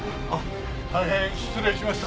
大変失礼しました。